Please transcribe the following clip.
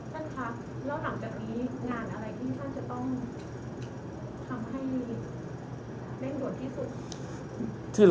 ท่านคะแล้วหลังจากนี้งานอะไรที่ท่านจะต้องทำให้เร่งด่วนที่สุด